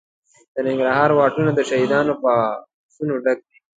د ننګرهار واټونه د شهیدانو په عکسونو ډک دي.